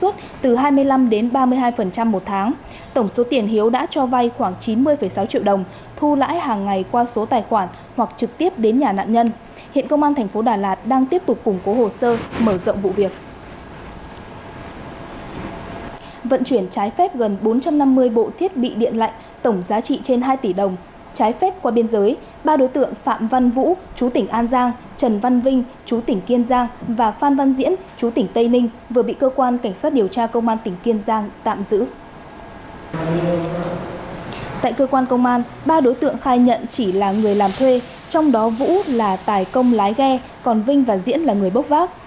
tại cơ quan công an ba đối tượng khai nhận chỉ là người làm thuê trong đó vũ là tài công lái ghe còn vinh và diễn là người bốc vác